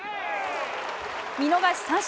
見逃し三振。